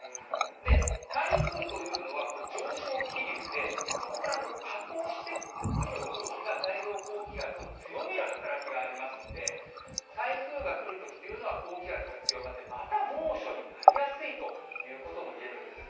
で、台風というのは上昇気流で、そこから下降してくる空気が太平洋高気圧を強める働きがありますので、台風が来るときというのは、高気圧が強まって、また猛暑になりやすということも言えるんです。